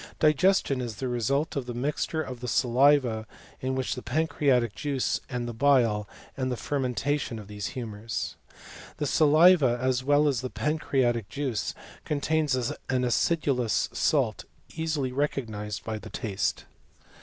Digestion is the result of the mixture of the saliva with the pancreatic juice and the bile, and the fermentation of these humours. The saliva, as well as the pancreatic juice, contains an aciduknis salt easily recognised by the taste.